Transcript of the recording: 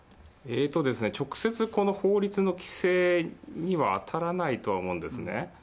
直接この法律の規制には当たらないとは思うんですね。